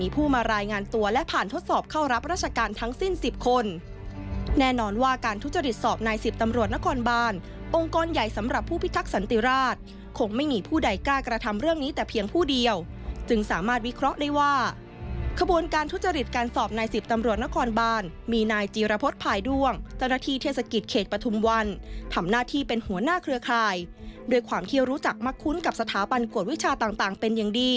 ผู้รับราชการทั้งสิ้น๑๐คนแน่นอนว่าการทุจริตสอบนายสิบตำรวจนครบานองค์กรใหญ่สำหรับผู้พิทักษ์สันติราชคงไม่มีผู้ใดกล้ากระทำเรื่องนี้แต่เพียงผู้เดียวจึงสามารถวิเคราะห์ได้ว่าขบวนการทุจริตการสอบนายสิบตำรวจนครบานมีนายจีรพฤษภายดวงเจ้าหน้าที่เทศกิจเขตประทุมวันทำหน้าที่เป็